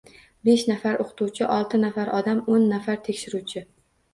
Besh nafar oʻqituvchi, olti nafar odam, oʻn nafar tekshiruvchi